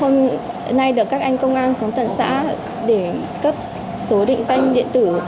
hôm nay được các anh công an xuống tận xã để cấp số định danh điện tử